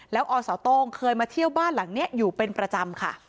แล้วอสโต้งเคยมาเที่ยวบ้านหลังนี้อยู่เป็นประจำค่ะ